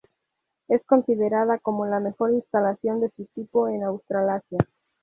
Es considerada como la mejor instalación de su tipo en Australasia.